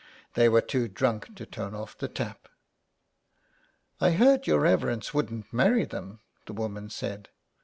'' They w^ere too drunk to turn off the tap." " I heard your reverence wouldn't marry them," the woman said.